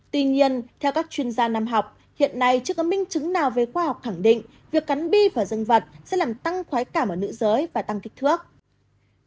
tuy nhiên theo các chuyên gia nam học hiện nay chưa có minh chứng nào về khoa học khẳng định việc cắn bi và dân vật sẽ làm tăng khoái cảm ở nữ giới và tăng kích thước